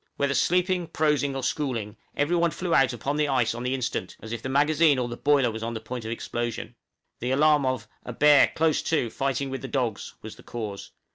Whether sleeping, prosing, or schooling, every one flew out upon the ice on the instant, as if the magazine or the boiler was on the point of explosion. The alarm of "A bear close to, fighting with the dogs," was the cause.